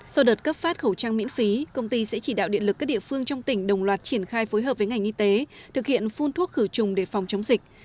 sau đợt cấp phát khẩu trang miễn phí công ty sẽ chỉ đạo điện lực các địa phương trong tỉnh đồng loạt triển khai phối hợp với ngành y tế thực hiện phun thuốc khử trùng để phòng chống dịch